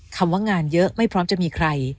คำว่างานเยอะไม่พร้อมจะมีใคร